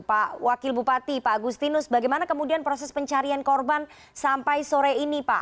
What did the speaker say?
pak wakil bupati pak agustinus bagaimana kemudian proses pencarian korban sampai sore ini pak